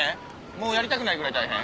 もうやりたくないぐらい大変？